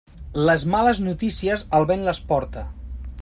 Les males notícies, el vent les porta.